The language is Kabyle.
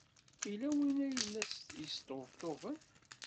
Yella win ay la d-yesṭebṭuben.